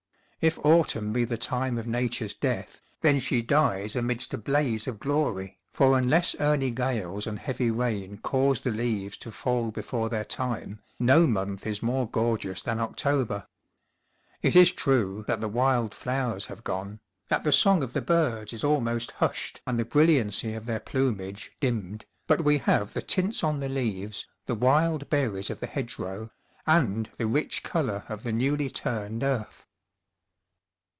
If autumn be the time of Nature's death, then she dies amidst a blaze of glory, for unless early gales and heavy rain cause the leaves to fall before their time, no month is more gorgeous than October. It is true that the wild flowers have gone, that the song of the birds is almost hushed and the brilliancy of their plumage dimmed, but we have the tints on the leaves, the wild io8 THE ENGLISH COUNTRYSIDE berries of the hedgerow, and the rich colour of the newly turned earth.